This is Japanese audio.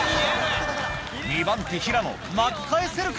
２番手平野巻き返せるか？